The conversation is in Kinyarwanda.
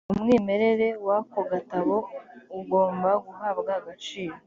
umwimerere w ako gatabo ugomba guhabwa agaciro